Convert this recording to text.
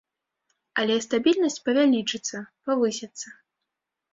Але стабільнасць павялічыцца, павысіцца.